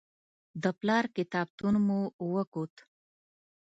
د پلار کتابتون مو وکت.